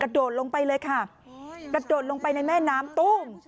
โดดลงไปเลยค่ะกระโดดลงไปในแม่น้ำตุ้ม